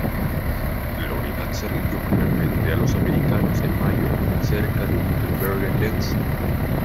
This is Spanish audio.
La unidad se rindió finalmente a los americanos en mayo cerca de Wittenberge-Lenzen.